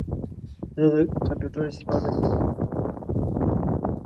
زه کمپیوټر استفاده کوم